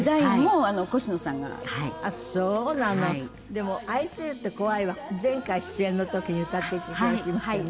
でも『愛するってこわい』は前回出演の時に歌っていただきましたよね。